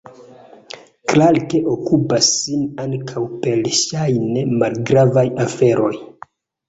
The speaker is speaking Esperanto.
Clarke okupas sin ankaŭ per ŝajne malgravaj aferoj.